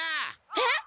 えっ！？